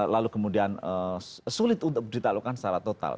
lalu kemudian sulit untuk ditaklukkan secara total